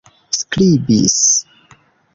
skribis